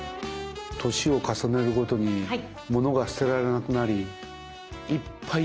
年を重ねるごとにものが捨てられなくなりいっぱい